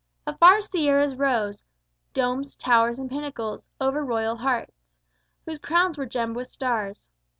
Afar Sierras rose, Domes, towers, and pinnacles, over royal heights, Whose crowns were gemmed with stars.